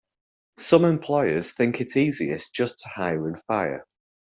Some employers think it easiest just to hire and fire.